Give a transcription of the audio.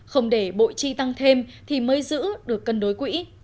không để bộ chi tăng thêm thì mới giữ được cân đối quỹ